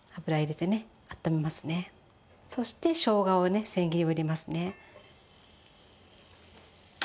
そしてしょうがをねせん切りを入れますね。